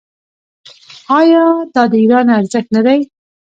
آیا دا د ایران ارزښت نه دی؟